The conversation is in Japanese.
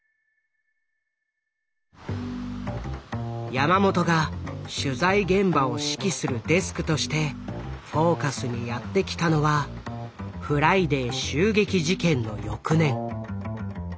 山本が取材現場を指揮するデスクとして「フォーカス」にやって来たのは「フライデー」襲撃事件の翌年。